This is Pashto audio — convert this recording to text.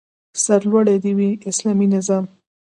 سرلوړی دې وي اسلامي نظام